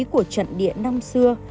của trận địa năm xưa